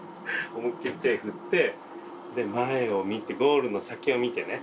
思いっきり手振って前を見てゴールの先を見てね。